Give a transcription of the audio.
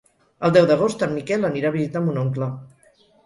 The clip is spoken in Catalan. El deu d'agost en Miquel anirà a visitar mon oncle.